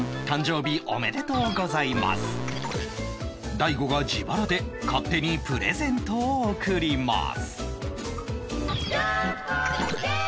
大悟が自腹で勝手にプレゼントを贈ります